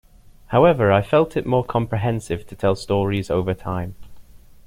However, I felt it more comprehensive to tell stories over time.